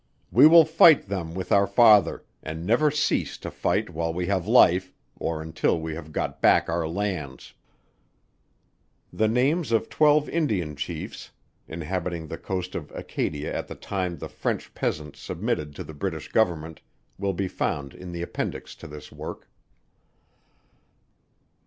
We will fight them with our father, and never cease to fight while we have life, or until we have got back our lands." The names of twelve Indian chiefs, inhabiting the coast of Acadia at the time the French peasants submitted to the British Government, will be found in the appendix to this work.